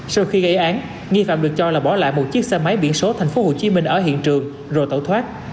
sau khi gây án nghi phạm được cho là bỏ lại một chiếc xe máy biển số thành phố hồ chí minh ở hiện trường rồi tẩu thoát